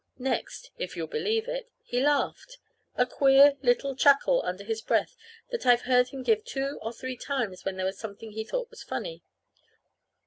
Next, if you'll believe it, he laughed the queer little chuckle under his breath that I've heard him give two or three times when there was something he thought was funny.